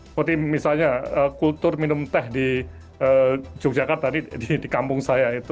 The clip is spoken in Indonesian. seperti misalnya kultur minum teh di yogyakarta di kampung saya itu